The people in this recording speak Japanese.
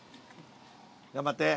頑張って。